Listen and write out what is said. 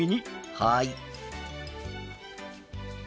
はい。